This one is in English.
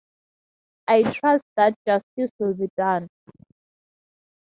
I trust that justice will be done.